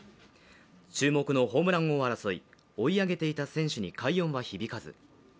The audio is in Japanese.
注目のホームラン争い追い上げていた選手に快音は響かず。